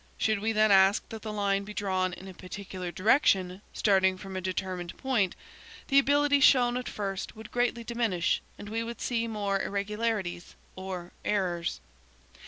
Should we then ask that the line be drawn in a particular direction, starting from a determined point, the ability shown at first would greatly diminish, and we would see many more irregularities, or errors.